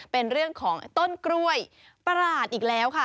เป็นเรื่องของต้นกล้วยประหลาดอีกแล้วค่ะ